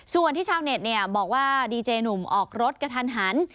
ส่วนที่ชาวเน็ตบอกว่าดีเจหนุ่มออกรถกระทันหัน